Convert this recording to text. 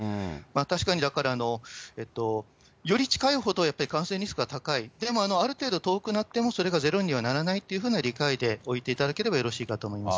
確かにだから、より近いほど感染リスクが高い、でもある程度、遠くなっても、それがゼロにはならないというふうな理解でおいていただければよろしいと思います。